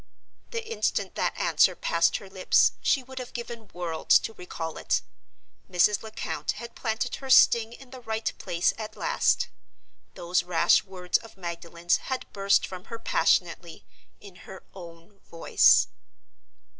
The instant that answer passed her lips she would have given worlds to recall it. Mrs. Lecount had planted her sting in the right place at last. Those rash words of Magdalen's had burst from her passionately, in her own voice.